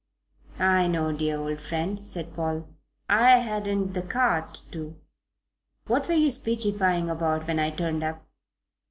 "I know, dear old friend," said Paul. "I 'adn't the 'cart to." "What were you speechifying about when I turned up?"